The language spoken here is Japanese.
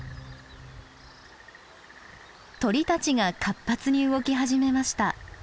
鳥たちが活発に動き始めました。